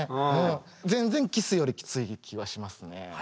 全然キスよりきつい気はしますね。